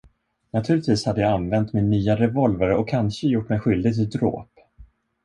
Naturligtvis hade jag använt min nya revolver och kanske gjort mig skyldig till dråp.